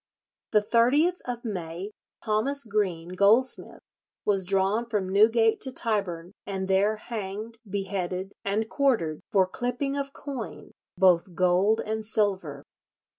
"The 30th of May Thomas Green, goldsmith, was drawn from Newgate to Tyburn, and there hanged, beheaded, and quartered, for clipping of coin, both gold and silver."